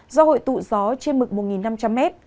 do hội tụ gió trên mực một năm trăm linh m